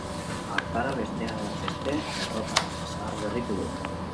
Hartara, bestea beste, errota zaharberritu du.